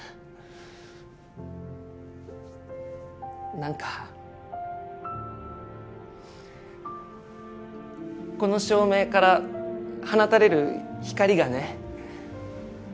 なんかこの照明から放たれる光がね